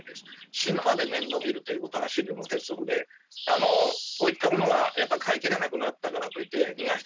死ぬまで面倒見るということが飼育の鉄則で、こういったものがやっぱ飼いきれなくなったからといって、逃がし